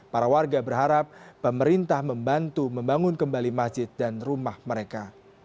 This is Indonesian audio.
para warga berharap pemerintah membantu membangun kembali masjid dan rumah mereka